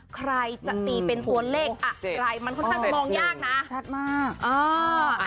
ใครจะตีเป็นตัวเลขอะไรมันค่อนข้างจะมองยากนะชัดมากอ่า